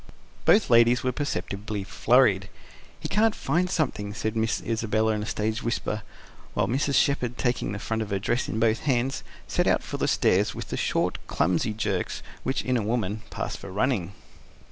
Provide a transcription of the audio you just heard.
Both ladies were perceptibly flurried. "He can't find something," said Miss Isabella in a stage whisper; while Mrs. Shepherd, taking the front of her dress in both hands, set out for the stairs with the short, clumsy jerks which, in a woman, pass for running.